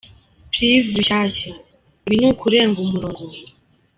Plz Rushyashya ibi nukurenga umurongo “.